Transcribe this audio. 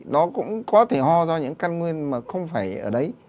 nó cũng có thể ho do những căn nguyên mà không phải ở đấy